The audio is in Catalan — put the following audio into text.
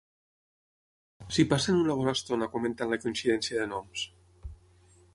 S'hi passen una bona estona comentant la coincidència de noms.